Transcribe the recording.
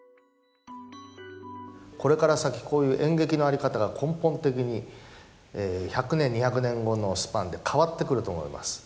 これから先、こういう演劇の在り方が根本的に、１００年、２００年後のスパンで変わってくると思います。